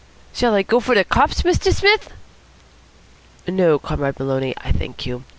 "Shall I go for de cops, Mr. Smith?" "No, Comrade Maloney, I thank you.